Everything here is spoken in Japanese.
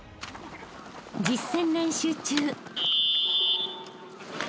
［実践練習中］